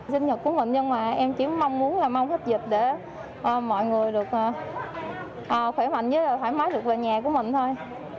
sinh nhật của mình nhưng mà em chỉ mong muốn là mong hết dịch để mọi người được khỏe mạnh và thoải mái được về nhà của mình thôi